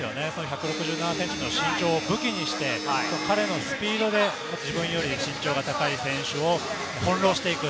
１６７ｃｍの身長を武器にして彼のスピードで自分より身長が高い選手を翻弄していく。